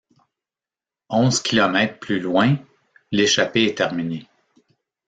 Onze kilomètres plus loin, l'échappée est terminée.